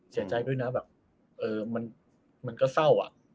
เสียใจด้วยนะแบบมันก็เศร้าอ่ะ